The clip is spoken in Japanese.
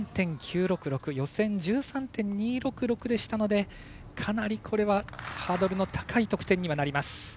予選、１３．２６６でしたのでかなりこれはハードルの高い得点にはなります。